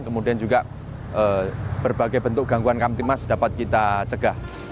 kemudian juga berbagai bentuk gangguan kamtimas dapat kita cegah